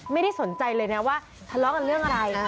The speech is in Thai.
ไม่ได้สนใจเลยนะว่าทะเลาะกันเรื่องอะไร